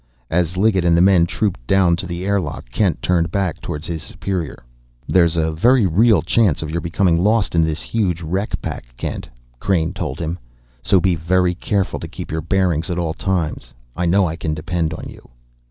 As Liggett and the men trooped down to the airlock, Kent turned back toward his superior. "There's a very real chance of your becoming lost in this huge wreck pack, Kent," Crain told him: "so be very careful to keep your bearings at all times. I know I can depend on you."